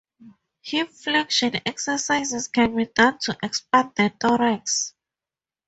Hip flexion exercises can be done to expand the thorax.